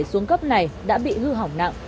xuống cấp này đã bị hư hỏng nặng